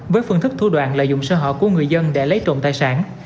với phương thức thu đoạn lợi dụng sơ hở của người dân để lấy trộm tài sản